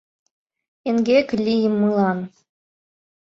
Эҥгек лиймылан